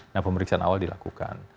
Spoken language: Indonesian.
nah pemeriksaan awal dilakukan